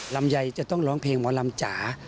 ลำไยจะต้องร้องเพลงหมอลำจ๋า